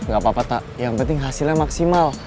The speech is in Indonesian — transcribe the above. gak apa apa tak yang penting hasilnya maksimal